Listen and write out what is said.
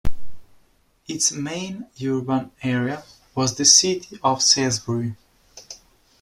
Its main urban area was the city of Salisbury.